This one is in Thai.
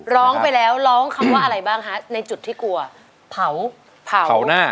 ร้องไปแล้วคำว่าอะไรบ้าง